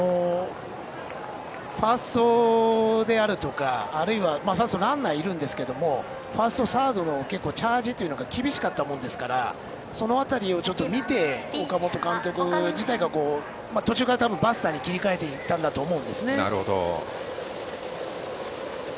ファーストであるとかあるいは、ファーストにランナーがいるんですけどファースト、サードへのチャージが厳しかったものですからその辺りを見て、岡本監督自体が途中からバスターに切り替えていったんだと思うんですよね。